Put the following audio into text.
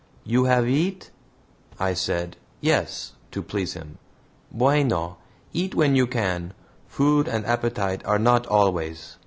"You have eat?" I said, "Yes," to please him. "BUENO, eat when you can food and appetite are not always."